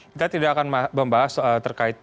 kita tidak akan membahas terkait